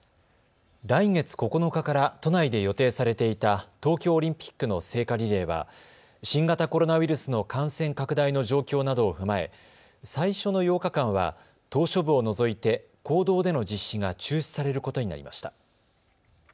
来月９日から都内で予定されていた東京オリンピックの聖火リレーは新型コロナウイルスの感染拡大の状況などを踏まえ最初の８日間は島しょ部を除いて公道での実施が中止されることになりました。